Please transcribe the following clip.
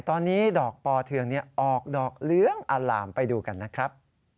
ตอนนี้ดอกปอเทืองออกดอกเหลืองอล่ามไปดูกันนะครับ